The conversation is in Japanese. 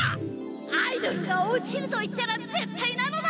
アイドルが落ちると言ったらぜったいなのだ！